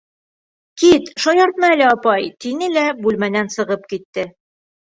— Кит, шаяртма әле, апай, — тине лә бүлмәнән сығып китте.